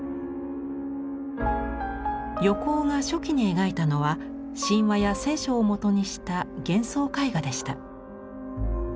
横尾が初期に描いたのは神話や聖書をもとにした幻想絵画でした。